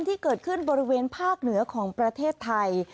ที่เกิดขึ้นบริเวณภาคเหนือของประเทศไทย